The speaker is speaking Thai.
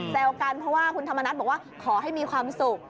แซวกันเพราะว่าคุณธรรมนัฐบอกว่าขอให้มีความสุข